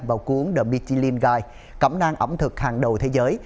vào cuốn the michelin guide cẩm năng ẩm thực hàng đầu thế giới